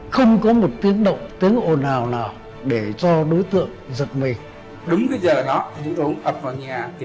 không có một tiếng động tiếng ồn ào nào để cho đối tượng giật mình